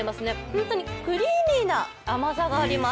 本当にクリーミーな甘さがあります。